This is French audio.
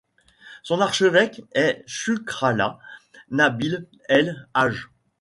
Son archevêque est Chucrallah-Nabil El-Hage.